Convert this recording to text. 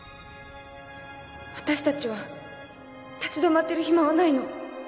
私達は立ち止まっている暇はないの